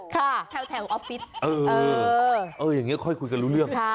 ค่ะเออเออเอออย่างนี้ค่อยคุยกันรู้เรื่องค่ะ